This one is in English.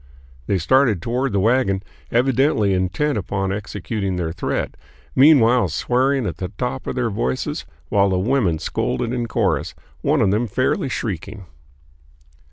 They started toward the wagon, evidently intent upon executing their threat, meanwhile swearing at the top of their voices while the women scolded in chorus, one of them fairly shrieking.